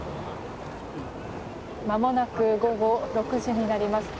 まもなく午後６時になります。